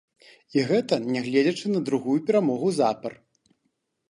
І гэта нягледзячы на другую перамогу запар.